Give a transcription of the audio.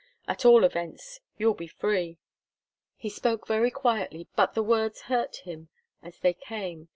At all events, you'll be free." He spoke very quietly, but the words hurt him as they came.